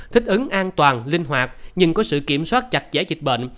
thích ứng an toàn linh hoạt nhưng có sự kiểm soát chặt chẽ dịch bệnh